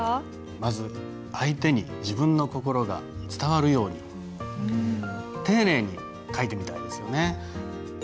まず相手に自分の心が伝わるように丁寧に書いてみたいですよね。